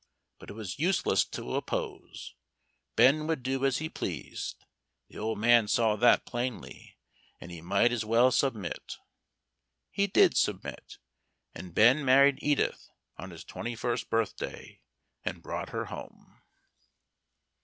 But it was useless to oppose. Ben would do as he pleased, the old man saw that plainly, and he might as well submit. He did submit, and Ben married Edith on his twenty first birthday, and brought her home.